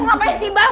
ngapain sih bang